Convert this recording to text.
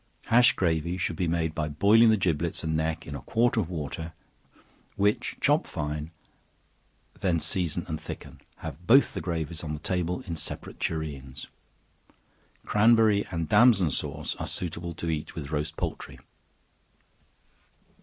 Hash gravy should be made by boiling the giblets and neck in a quart of water, which chop fine, then season and thicken; have both the gravies on the table in separate tureens. Cranberry and damson sauce are suitable to eat with roast poultry.